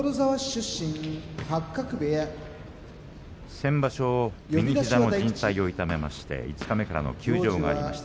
先場所、右の膝のじん帯を痛めて五日目からの休場がありました。